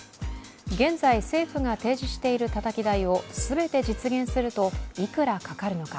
現在、政府が提示しているたたき台を全て実現すると、いくらかかるのか。